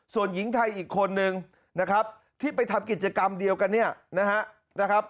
ส่วนหญิงไทยอีกคนนึงนะครับที่ไปทำกิจกรรมเดียวกันเนี่ยนะครับ